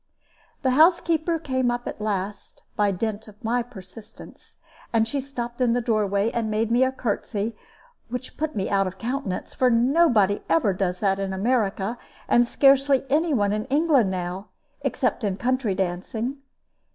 The housekeeper came up at last, by dint of my persistence, and she stopped in the doorway and made me a courtesy, which put me out of countenance, for nobody ever does that in America, and scarcely any one in England now, except in country dancing.